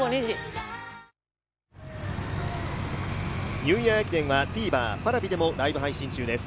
ニューイヤー駅伝はＴＶｅｒ、Ｐａｒａｖｉでもライブ配信中です。